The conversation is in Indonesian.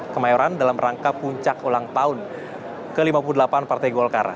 kemayoran dalam rangka puncak ulang tahun ke lima puluh delapan partai golkar